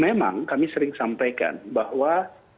memang kami sering sampaikan bahwa